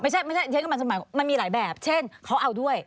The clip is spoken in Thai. ไม่ใช่มันมีหลายแบบเช่นเขาเอาด้วย